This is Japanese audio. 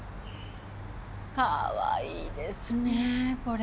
かわいいですねこれ。